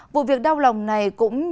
vụ việc đau lòng này